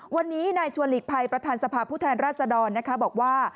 วันนี้นายชวนหลีกภัยประธานสภาพผู้แทนราชดรนะคะบอกว่า